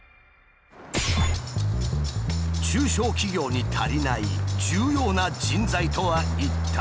中小企業に足りない重要な人材とは一体？